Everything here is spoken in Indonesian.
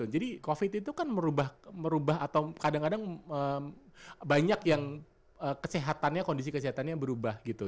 jadi covid itu kan merubah atau kadang kadang banyak yang kesehatannya kondisi kesehatannya berubah gitu